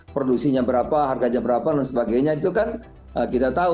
produksinya berapa harganya berapa dan sebagainya itu kan kita tahu